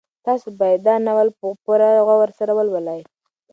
تاسو باید دا ناول په پوره غور سره ولولئ.